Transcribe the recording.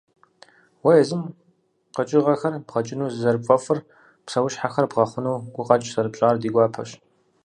Уэ езым къэкӀыгъэхэр бгъэкӀыну зэрыпфӀэфӀыр, псэущхьэхэр бгъэхъуну гукъэкӀ зэрыпщӀар ди гуапэщ.